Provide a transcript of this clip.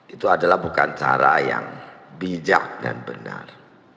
itu adalah bukan cara yang bijak dan benar